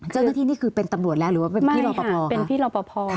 เจ้าหน้าที่นี่คือเป็นตำรวจแล้วหรือว่าเป็นพี่รอปภค่ะ